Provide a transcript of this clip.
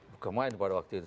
bukan main pada waktu itu